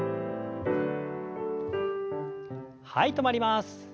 はい止まります。